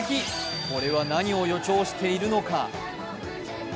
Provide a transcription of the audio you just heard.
これは何を予兆しているのか。